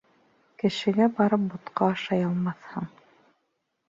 Кешегә барып бутҡа ашай алмаҫһың.